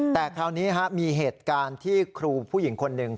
แต่คราวนี้มีเหตุการณ์ที่ครูผู้หญิงคนหนึ่ง